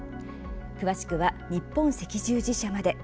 詳しくは、日本赤十字社まで。